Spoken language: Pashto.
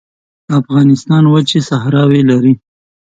افغانستان وچې صحراوې لري